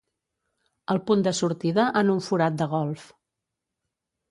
El punt de sortida en un forat de golf.